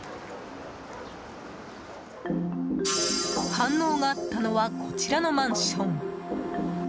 反応があったのは、こちらのマンション。